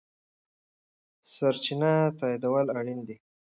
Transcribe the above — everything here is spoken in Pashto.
سرچینه تاییدول اړین دي.